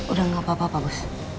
udah gak apa apa pak bos